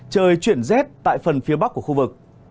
trời chuyển rét tại phần phía bắc của khu vực